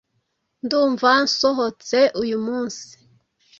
Ndumva nsohotse uyu munsi.